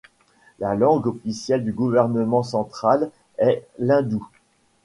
La langue officielle du gouvernement central est l'hindou.